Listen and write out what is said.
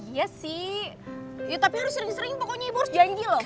iya sih tapi harus sering sering pokoknya ibu harus janji loh